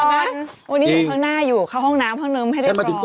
วันนี้ต้องเข้าห้องหน้าอยู่เข้าห้องน้ำให้เรียบร้อยอันตรีอีก